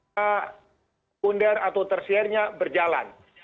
punder atau tersilirnya berjalan